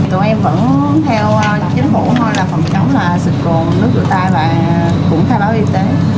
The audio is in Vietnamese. tụi em vẫn theo chính phủ nói là phòng chống là sửa cồn nước rửa tay và cũng khai báo y tế